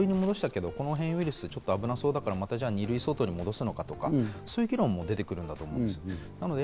５類に戻したけど、このウイルス危なそうだから２類相当に戻すのかとか、そういう議論も出てくるんだと思います。